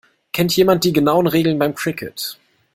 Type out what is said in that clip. Kennt jemand die genauen Regeln beim Cricket?